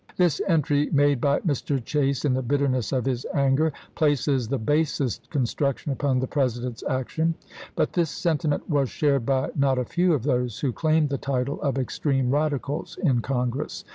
This entry, made by Mr. Chase in the bitterness of his anger, places the basest construction upon the President's action; but this sentiment was shared by not a few of those who claimed the title of extreme Radicals in Congress.